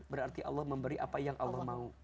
berarti allah memberi apa yang allah mau